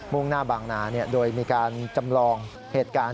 ่งหน้าบางนาโดยมีการจำลองเหตุการณ์